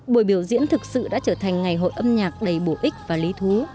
buổi biểu diễn thực sự đã trở thành ngày hội âm nhạc đầy bổ ích và lý thú